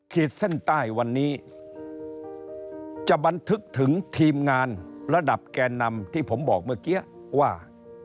ขีดเส้นใต้วันนี้จะบันทึกถึงทีมงานระดับแก่นำที่ผมบอกเมื่อกี้ว่า